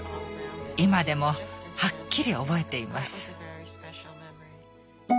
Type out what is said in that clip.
今でもはっきり覚えています。